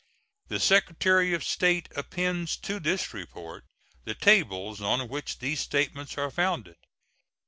The Secretary of State appends to this report the tables on which these statements are founded.